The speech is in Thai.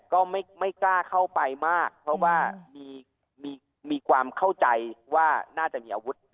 ก็ไม่กล้าเข้าไปมากเพราะว่ามีความเข้าใจว่าน่าจะมีอาวุธ